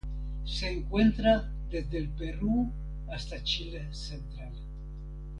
Se encuentra desde el Perú hasta Chile central.